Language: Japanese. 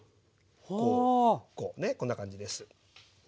こうこうねこんな感じです。